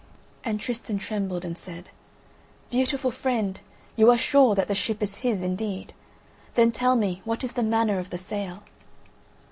And Tristan trembled and said: "Beautiful friend, you are sure that the ship is his indeed? Then tell me what is the manner of the sail?"